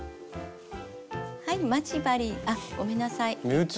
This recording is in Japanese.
待ち針あっごめんなさい。